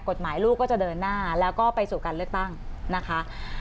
กฎหมายลูกก็จะเดินหน้าแล้วก็ไปสู่การเลือกตั้งนะคะ